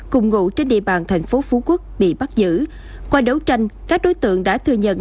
cùng ngụ trên địa bàn thành phố phú quốc bị bắt giữ qua đấu tranh các đối tượng đã thừa nhận